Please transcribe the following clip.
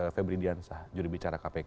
febri diansah jurubicara kpk